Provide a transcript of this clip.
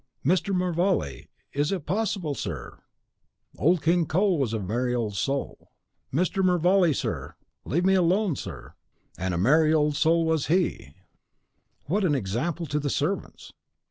"Mr. Mervale! is it possible, sir " "'Old King Cole was a merry old soul '" "Mr. Mervale! sir! leave me alone, sir!" "'And a merry old soul was he '" "What an example to the servants!"